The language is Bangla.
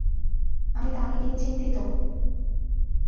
আমি তাকে নিয়ে চিন্তিত।